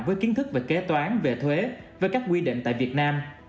với kiến thức về kế toán về thuế với các quy định tại việt nam